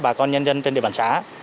bà con nhân dân trên địa bàn xã